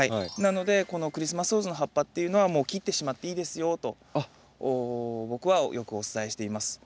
なのでこのクリスマスローズの葉っぱっていうのはもう切ってしまっていいですよと僕はよくお伝えしています。